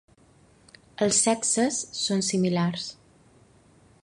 Els sexes són similars.